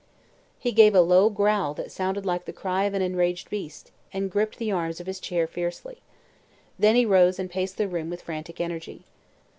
He gave a low growl that sounded like the cry of an enraged beast, and gripped the arms of his chair fiercely. Then he rose and paced the room with frantic energy.